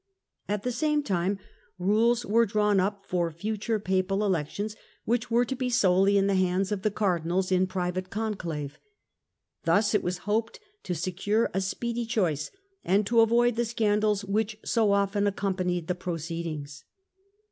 At the same time rules were 36 THE END OF THE MIDDLE AGE drawn up for future Papal Elections, which were to be solely in the hands of the Cardinals in private conclave. Thus it was hoped to secure a speedy choice and to avoid the scandals which so often accompanied the pro ceedings.